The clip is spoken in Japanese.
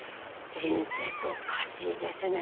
人生っておかしいですね。